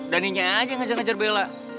daninya aja yang ngejar ngejar bella